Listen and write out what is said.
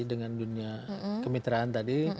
dengan dunia kemitraan tadi